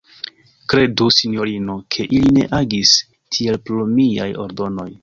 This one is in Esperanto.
Kredu, sinjorino, ke ili ne agis tiel pro miaj ordonoj.